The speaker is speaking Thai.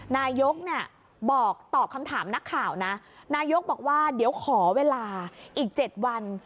นายกเนี่ยบอกตอบคำถามนักข่าวนะนายกบอกว่าเดี๋ยวขอเวลาอีก๗วัน